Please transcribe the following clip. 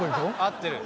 合ってる。